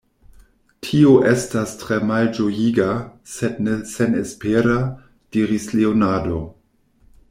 Tio estas tre malĝojiga, sed ne senespera, diris Leonardo.